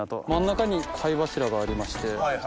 真ん中に貝柱がありまして。